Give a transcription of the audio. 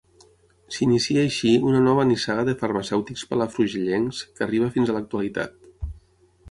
S’inicia així una nova nissaga de farmacèutics palafrugellencs que arriba fins a l’actualitat.